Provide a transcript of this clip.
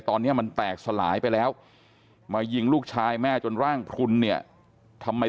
ตอนนี้มันแตกสลายไปแล้วมายิงลูกชายแม่จนร่างพลุนเนี่ยทำไม